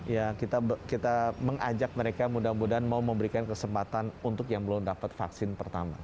ya kita mengajak mereka mudah mudahan mau memberikan kesempatan untuk yang belum dapat vaksin pertama